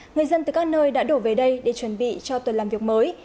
người dân từ các nơi đã đổ về đây để chuẩn bị cho tuần làm việc mới